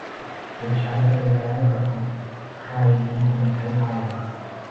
ถูกใช้ไปแล้วหรอ ใครเป็นคนใช้ไป